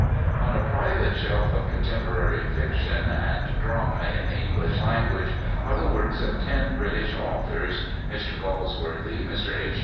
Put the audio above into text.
On a private shelf of contemporary fiction and drama in the English language are the works of ten British authors, Mr. Galsworthy, Mr. H.